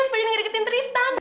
supaya dia gak deketin tristan